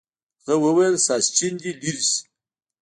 هغه وویل ساسچن دې لرې شي.